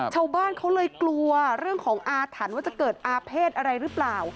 ชาวบ้านเขาเลยกลัวเรื่องของอาถรรพ์ว่าจะเกิดอาเภษอะไรหรือเปล่า